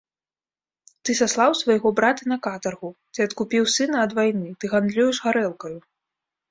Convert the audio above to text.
Ты саслаў свайго брата на катаргу, ты адкупіў сына ад вайны, ты гандлюеш гарэлкаю!